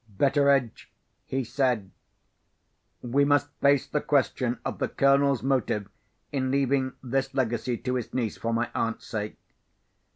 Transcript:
"Betteredge," he said, "we must face the question of the Colonel's motive in leaving this legacy to his niece, for my aunt's sake.